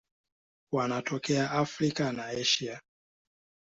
Wanatokea Afrika na Asia.